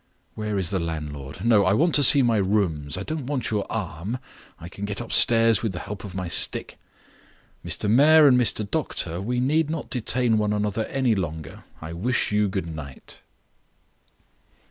Where is the landlord? No; I want to see my rooms. I don't want your arm; I can get upstairs with the help of my stick. Mr. Mayor and Mr. Doctor, we need not detain one another any longer. I wish you good night."